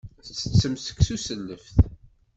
Ttettemt seksu s lleft.